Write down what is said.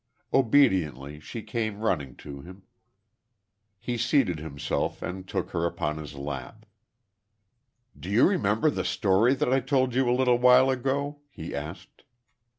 Obediently, she came running to him. He seated himself, and took her upon his lap. "Do you remember the story that I told you a little while ago?" he asked.